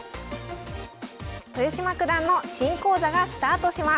豊島九段の新講座がスタートします